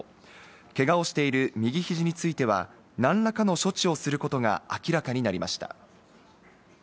けがをしている右肘については、何らかの処置をすることが明らかになりました。